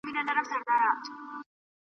ویل یې